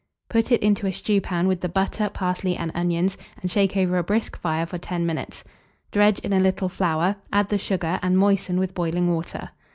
Put it into a stewpan with the butter, parsley, and onions, and shake over a brisk fire for 10 minutes. Dredge in a little flour, add the sugar, and moisten with boiling water.